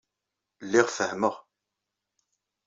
Lliɣ fehmeɣ.